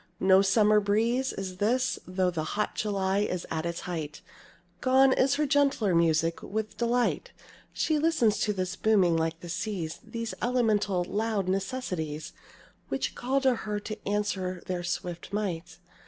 No summer breeze Is this, though hot July is at its height, Gone is her gentler music; with delight She listens to this booming like the seas, These elemental, loud necessities Which call to her to answer their swift might.